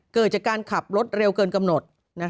เกิดจากการขับรถเร็วเกินกำหนด